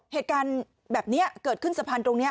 เหตุการณ์แบบนี้เกิดขึ้นสะพานตรงนี้